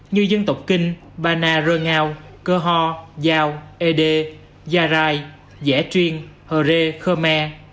như dân tộc kinh ba na rơ ngao cơ hò giao ê đê gia rai dẻ truyền hờ rê khơ me